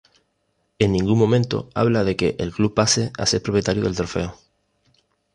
En ningún momento habla de que el club pase a ser propietario del Trofeo.